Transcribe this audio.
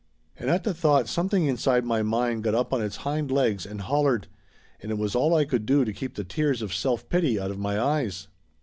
And at the thought something inside my mind got up on its hind legs and hollered, and it was all I could do to keep the tears of self pity out of my eyes.